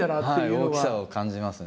大きさを感じますね